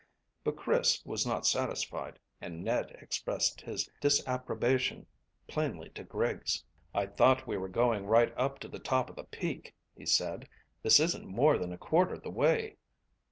But Chris was not satisfied, and Ned expressed his disapprobation plainly to Griggs. "I thought we were going right up to the top of the peak," he said. "This isn't more than a quarter the way."